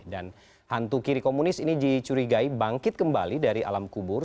dan hantu kiri komunis ini dicurigai bangkit kembali dari alam kubur